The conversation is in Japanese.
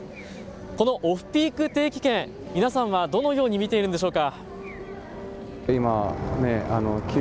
このオフピーク定期券、皆さんはどのように見ているんでしょうか。